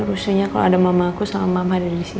rusuhnya kalau ada mamaku sama mama dari sini